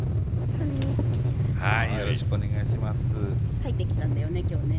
描いてきたんだよね今日ね。